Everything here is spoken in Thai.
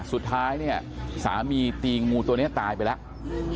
สุดท้ายเนี่ยสามีตีงูตัวนี้ตายไปแล้ว